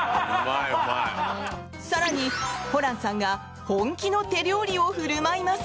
更に、ホランさんが本気の手料理を振る舞います。